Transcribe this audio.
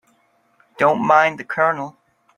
Don't mind the Colonel.